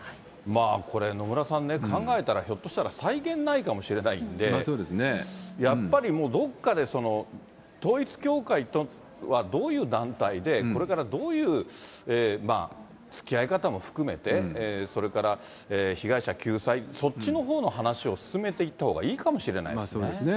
これ、野村さんね、考えたら、ひょっとしたら、際限ないかもしれないんで、やっぱりもうどこかで、統一教会とはどういう団体で、これからどういうつきあい方も含めて、それから被害者救済、そっちのほうの話を進めていったほうがいいかもしれないですね。